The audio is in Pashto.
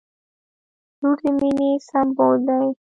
• لور د مینې سمبول دی.